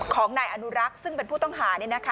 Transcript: ของนายอนุรักษ์ซึ่งเป็นผู้ต้องหา